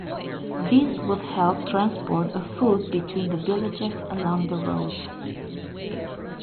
This would help transport of food between the villages along the road.